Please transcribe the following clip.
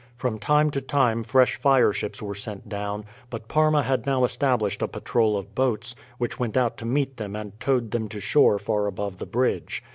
From time to time fresh fireships were sent down; but Parma had now established a patrol of boats, which went out to meet them and towed them to shore far above the bridge.